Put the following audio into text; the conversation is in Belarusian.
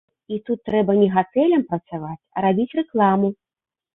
І тут трэба не гатэлям працаваць, а рабіць рэкламу.